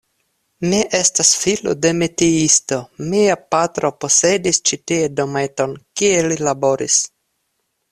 Mi estas filo de metiisto, mia patro posedis ĉi tie dometon, kie li laboris.